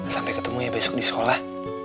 sampai ketemu ya besok di sekolah